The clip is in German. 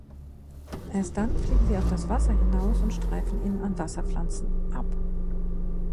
Erst dann fliegen sie auf das Wasser hinaus und streifen ihn an Wasserpflanzen ab.